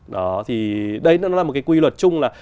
đó thì đấy nó là một cái quy luật chung là